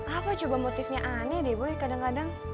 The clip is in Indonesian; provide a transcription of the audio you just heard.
apa coba motifnya aneh deh boy kadang kadang